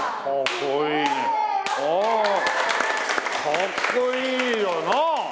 かっこいいよなあ！